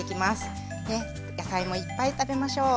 野菜もいっぱい食べましょう。